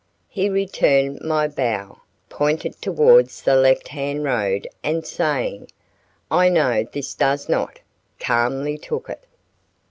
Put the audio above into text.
He returned my bow, pointed towards the left hand road and saying, "I know this does not," calmly took it.